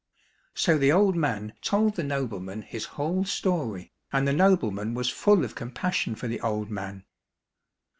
" So the old man told the nobleman his whole story, and the nobleman was full of compassion for the old man.